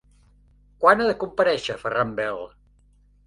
Quan ha de comparèixer Ferran Bel?